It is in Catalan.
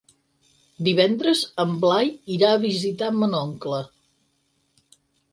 Divendres en Blai irà a visitar mon oncle.